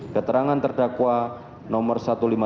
keterangan terdakwa nomor satu ratus lima puluh